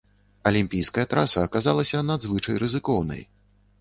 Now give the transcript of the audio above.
Алімпійская траса аказалася надзвычай рызыкоўнай.